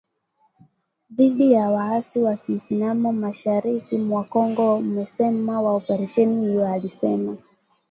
Dhidi ya waasi wa kiislam mashariki mwa Kongo msemaji wa operesheni hiyo alisema